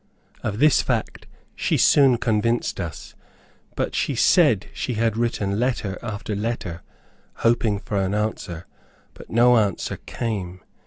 Of this fact she soon convinced us, but she said she had written letter after letter hoping for an answer, but no answer came.